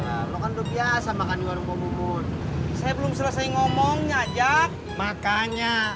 warung pomomun eh lo kan biasa makan di warung pomomun saya belum selesai ngomongnya ajak makanya